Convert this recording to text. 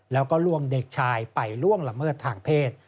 แล้วก็ลวงเด็กชายไปล่วงละเมิดทางเพศ